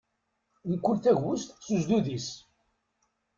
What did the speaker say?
Mkul tagwest s uzduz is.